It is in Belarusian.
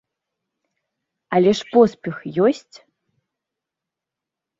Але ж поспех ёсць?